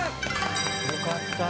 よかった。